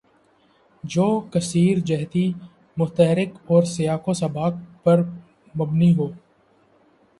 جو کثیر جہتی، متحرک اور سیاق و سباق پر مبنی ہو